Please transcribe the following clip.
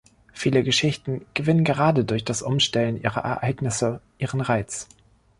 Viele Geschichten gewinnen gerade durch das Umstellen ihrer Ereignisse ihren Reiz.